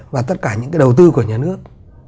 và tất cả những cái đầu tư của nhà nước